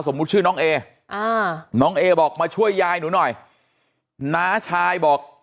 ชื่อน้องเอน้องเอบอกมาช่วยยายหนูหน่อยน้าชายบอก